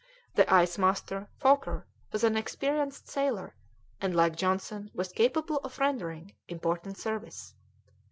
The ice master, Foker, was an experienced sailor, and, like Johnson, was capable of rendering important service.